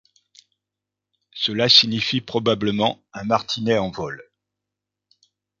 Cela signifie probablement 'un martinet en vol'.